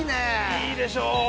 いいでしょ？